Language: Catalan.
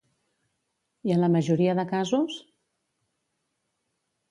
I en la majoria de casos?